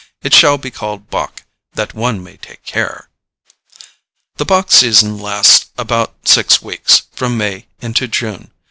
It shall be called bock, that one may take care." The bock season lasts about six weeks, from May into June.